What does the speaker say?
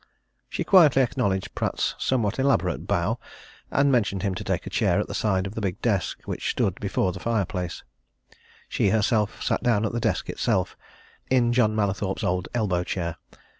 She quietly acknowledged Pratt's somewhat elaborate bow, and motioned him to take a chair at the side of the big desk which stood before the fireplace she herself sat down at the desk itself, in John Mallathorpe's old elbow chair.